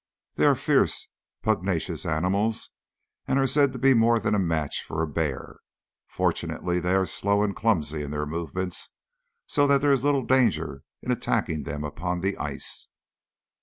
They are fierce, pugnacious animals, and are said to be more than a match for a bear. Fortunately they are slow and clumsy in their movements, so that there is little danger in attacking them upon the ice.